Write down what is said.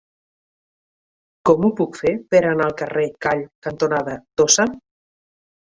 Com ho puc fer per anar al carrer Call cantonada Tossa?